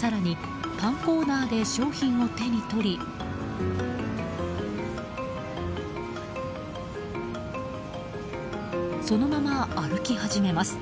更に、パンコーナーで商品を手に取りそのまま歩き始めます。